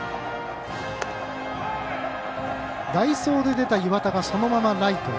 代走で出た岩田がそのままライトへ。